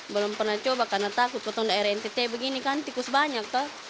belum pernah coba karena takut potong daerah ntt begini kan tikus banyak